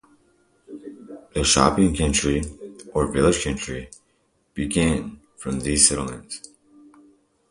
The shopping centre or village centre began from these settlements.